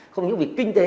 không những vì kinh tế